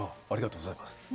ありがとうございます。